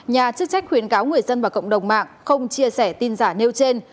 nhà chức trách khuyến cáo người dân và cộng đồng mạng không chia sẻ tin giả nêu trên